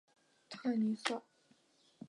特尼塞。